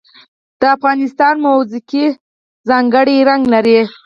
د افغانستان موسیقي ځانګړی رنګ لري.